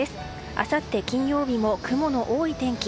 あさって金曜日も雲の多い天気。